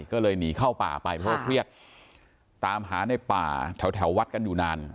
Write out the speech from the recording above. ก็เลยหนีเข้าป่าไปเพราะว่าเครียดตามหาในป่าแถววัดกันอยู่นาน